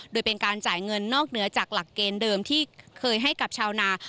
โดยเป็นการจ่ายเงินนอกเหนือจากหลักเกณฑ์เดิมที่เคยให้กับชาวนา